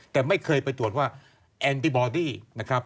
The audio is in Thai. แต่ไม่เคยไปตรวจว่าแอนติบอดี้นะครับ